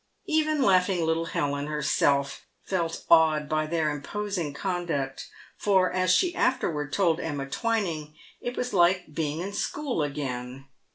Even laughing little Helen herself felt awed by their imposing conduct, for as she afterwards told Emma Twining, it was like being in school again.